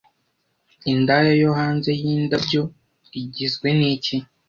Indaya yo hanze yindabyo igizwe niki